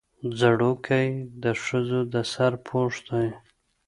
ځړوکی د ښځو د سر پوښ دی